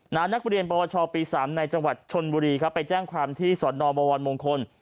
นางนักบริเวณประวัติศาสตร์ปี๓ในจังหวัดชนบุรีไปแจ้งความที่สวรรค์นอบวรมงคล